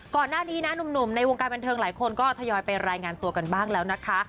ก่อนหน้านี้นะหนุ่มในวงการบันเทิงหลายคนก็ทยอยไปรายงานตัวกันบ้างแล้วนะคะ